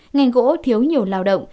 ngành gỗ thiếu nhiều lao động